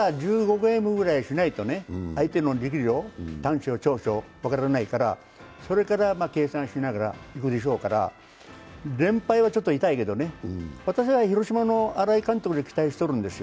ゲームくらいしないと相手の力量、短所・長所分からないからそれから計算しながらいくでしょうから連敗はちょっと痛いけどね、私は広島の新井監督に期待しとるんです。